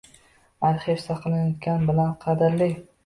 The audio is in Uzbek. Arxiv saqlanayotgani bilan qadrli.